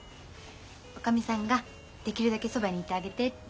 おかみさんができるだけそばにいてあげてって。